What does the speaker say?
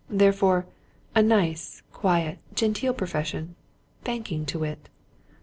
Therefore a nice, quiet, genteel profession banking, to wit.